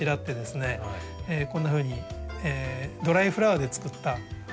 こんなふうにドライフラワーで作ったアレンジ。